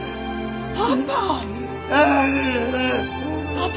パパ！